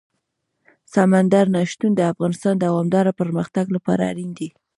سمندر نه شتون د افغانستان د دوامداره پرمختګ لپاره اړین دي.